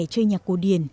chơi nhạc cổ điển